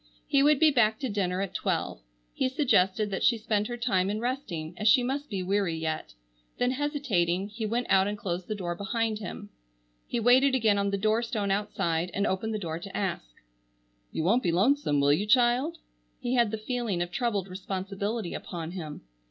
He would be back to dinner at twelve. He suggested that she spend her time in resting, as she must be weary yet. Then hesitating, he went out and closed the door behind him. He waited again on the door stone outside and opened the door to ask: "You won't be lonesome, will you, child?" He had the feeling of troubled responsibility upon him.